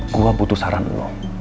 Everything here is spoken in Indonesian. saya butuh saran anda